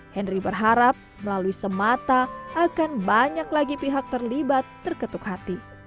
henry berharap melalui semata akan banyak lagi pihak terlibat terketuk hati